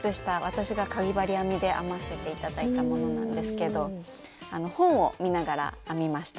私がかぎ針編みで編ませて頂いたものなんですけど本を見ながら編みました。